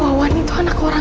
apa yang kau lakukan